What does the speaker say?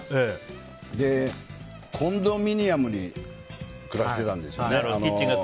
コンドミニアムに暮らしてたんですね。